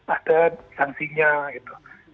ada sanksinya gitu